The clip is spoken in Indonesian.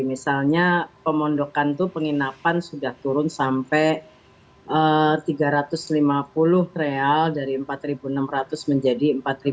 misalnya pemondokan itu penginapan sudah turun sampai tiga ratus lima puluh real dari empat enam ratus menjadi empat lima ratus